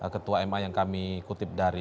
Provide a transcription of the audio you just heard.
ketua ma yang kami kutip dari